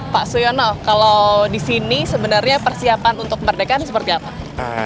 pak siono kalau disini sebenarnya persiapan untuk kemerdekaan seperti apa